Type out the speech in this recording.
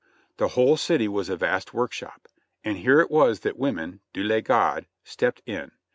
The whole city was a vast workshop, and here it was that women (Dieu les garde) stepped in.